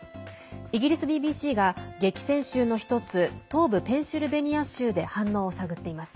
イギリスＢＢＣが激戦州の１つ東部ペンシルベニア州で反応を探っています。